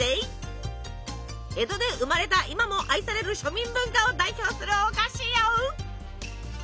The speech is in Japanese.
江戸で生まれた今も愛される庶民文化を代表するお菓子よ。